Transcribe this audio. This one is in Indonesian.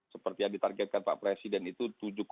seperti yang ditargetkan pak presiden itu